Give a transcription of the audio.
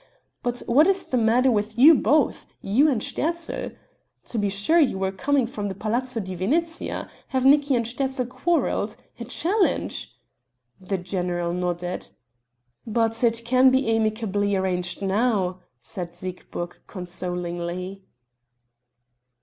But what is the matter with you both you and Sterzl? To be sure you were coming from the Palazzo di Venezia have Nicki and Sterzl quarrelled a challenge!" The general nodded. "But it can be amicably arranged now," said Siegburg consolingly.